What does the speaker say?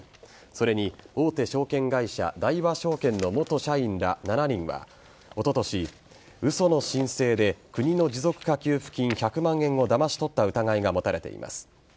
それに大手証券会社大和証券の元社員ら７人はおととし嘘の申請で国の持続化給付金１００万円をだまし取った疑いが持たれています。